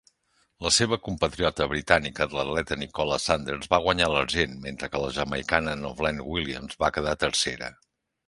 La seva compatriota britànica, l'atleta Nicola Sanders, va guanyar l'argent, mentre que la jamaicana Novlene Williams va quedar tercera.